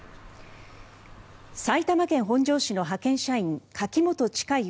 埼玉県本庄市の派遣社員柿本知香